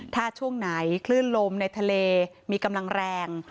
ถ้าช่วงไหนคลื่นลมในทะเลมีกำลังแรง